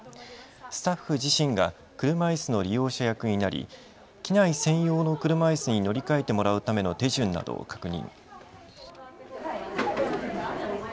スタッフ自身が車いすの利用者役になり機内専用の車いすに乗り換えてもらうための手順などを確認。